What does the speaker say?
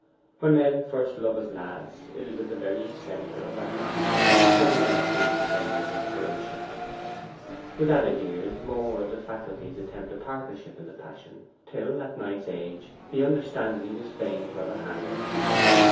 When men first love as lads, it is with the very centre of their hearts, nothing else being concerned in the operation. With added years, more of the faculties attempt a partnership in the passion, till at Knight's age the understanding is fain to have a hand in it.